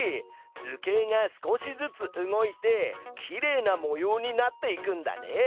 図形が少しずつ動いてきれいな模様になっていくんだね。